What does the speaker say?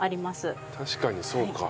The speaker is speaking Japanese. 確かにそうか。